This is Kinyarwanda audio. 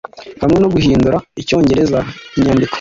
Hamwe no guhindura icyongereza Inyandiko